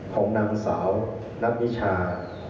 ของนางสาวนัทนิชา